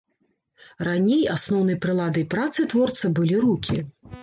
Раней асноўнай прыладай працы творца былі рукі.